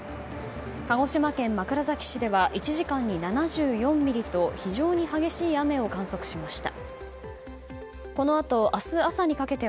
鹿児島県枕崎市では１時間に７４ミリと非常に激しい雨を観測しました。